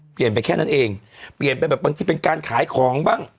เปลี่ยนไปแค่นั้นเองเปลี่ยนไปแบบบางทีเป็นการขายของบ้าง